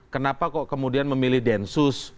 kenapa kok kemudian memilih densus